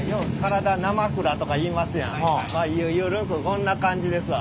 まあ緩くこんな感じですわ。